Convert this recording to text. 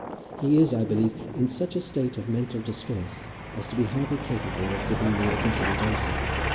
"He is, I believe, in such a state of mental distress as to be hardly capable of giving me a considerate answer.